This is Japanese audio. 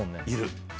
いる。